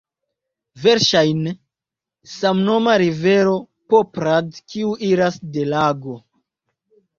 Verŝajne samnoma rivero Poprad kiu iras de lago.